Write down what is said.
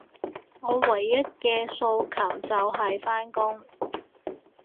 我唯一嘅訴求，就係返工